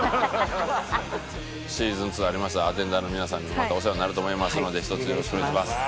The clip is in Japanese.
シーズン２ありましたらアテンダーの皆さんにもまたお世話になると思いますので一つよろしくお願いします。